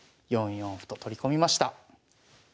４四歩と取り込みました。